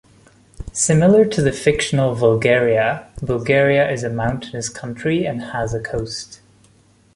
Similar to the fictional Vulgaria, Bulgaria is a mountainous country and has a coast.